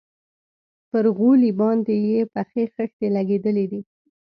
پر غولي باندې يې پخې خښتې لگېدلي دي.